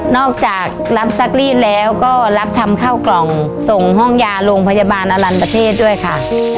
จากรับซักรีดแล้วก็รับทำข้าวกล่องส่งห้องยาโรงพยาบาลอลันประเทศด้วยค่ะ